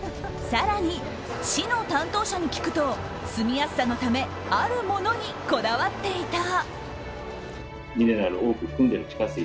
更に市の担当者に聞くと住みやすさのためあるものにこだわっていた。